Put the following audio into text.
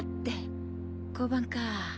交番か。